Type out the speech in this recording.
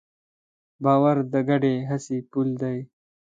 باور د ګډې هڅې پُل دی.